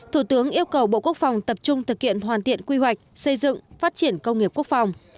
thủ tướng yêu cầu bộ quốc phòng tập trung thực hiện hoàn thiện quy hoạch xây dựng phát triển công nghiệp quốc phòng